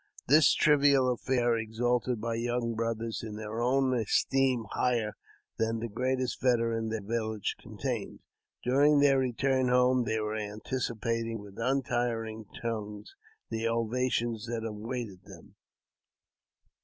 This trivial affair exalted my young brothers in their own esteem higher than the greatest veteran their village con tained. During their return home they were anticipating with untiring tongues the ovation that awaited them.